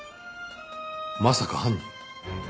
まさか犯人？